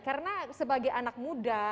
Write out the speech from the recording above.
karena sebagai anak muda